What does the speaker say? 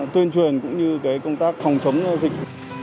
công truyền cũng như công tác phòng chống dịch